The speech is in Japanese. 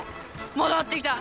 戻ってきた！